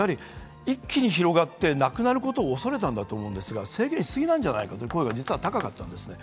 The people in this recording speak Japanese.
一気に広がってなくなることを恐れたんだと思うんですが、制限しすぎなんじゃないかという声が実は高かったんですね。